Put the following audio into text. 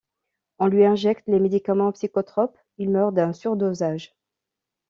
On lui injecte les médicaments psychotropes, il meurt d'un surdosage.